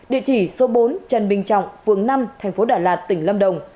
địa chỉ số bốn trần bình trọng phường năm thành phố đà lạt tỉnh lâm đồng